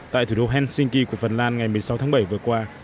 tại thủ đô helsinki của phần lan ngày một mươi sáu tháng bảy vừa qua